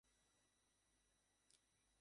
ট্রেনিংটা শেষ হলে চাকরিটা স্থায়ী হবে।